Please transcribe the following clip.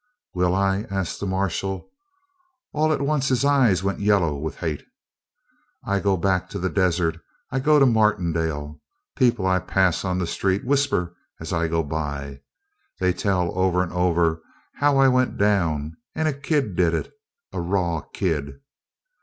"Will I?" asked the marshal. All at once his eyes went yellow with hate. "I go back to the desert I go to Martindale people I pass on the street whisper as I go by. They'll tell over and over how I went down. And a kid did it a raw kid!"